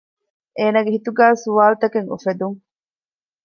އޭނަގެ ހިތުގައި ސްވާލުތަކެއް އުފެދުން